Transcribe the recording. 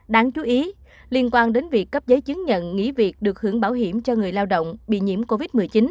đáng chú ý liên quan đến việc cấp giấy chứng nhận nghỉ việc được hưởng bảo hiểm cho người lao động bị nhiễm covid một mươi chín